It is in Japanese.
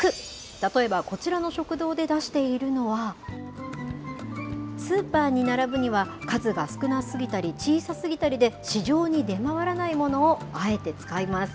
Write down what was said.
例えばこちらの食堂で出しているのは、スーパーに並ぶには数が少なすぎたり小さすぎたりで、市場に出回らないものをあえて使います。